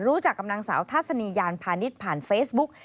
รู้จักกับนางสาวทัศนียานพาณิชย์ผ่านเฟซบุ๊ก